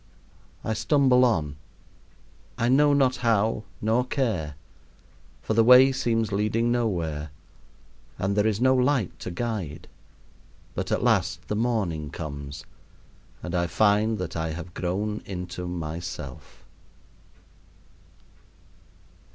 I stumble on, I know not how nor care, for the way seems leading nowhere, and there is no light to guide. But at last the morning comes, and I find that I have grown into myself.